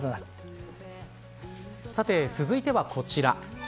続いてはこちら。